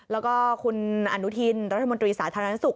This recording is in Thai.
แล้วก็คุณอนุทินรัฐมนตรีสาธารณสุข